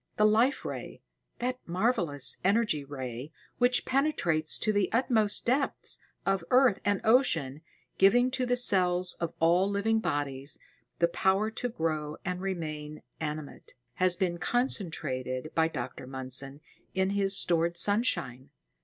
"The Life Ray, that marvelous energy ray which penetrates to the utmost depths of earth and ocean, giving to the cells of all living bodies the power to grow and remain animate, has been concentrated by Dr. Mundson in his stored sunshine.